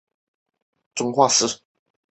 治所在今河北省遵化市。